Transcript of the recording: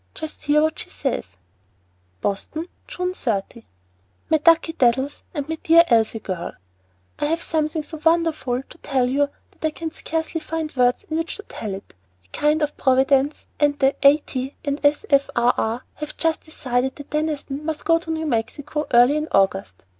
Just hear what she says:" BOSTON, June 30. MY DUCKY DADDLES AND MY DEAR ELSIE GIRL, I have something so wonderful to tell that I can scarcely find words in which to tell it. A kind Providence and the A. T. and S. F. R. R. have just decided that Deniston must go to New Mexico early in August.